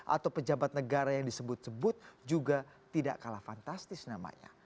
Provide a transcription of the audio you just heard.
atau pejabat negara yang disebut sebut juga tidak kalah fantastis namanya